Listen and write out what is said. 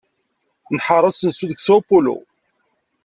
Nḥeṛṛ asensu deg Sao Paulo.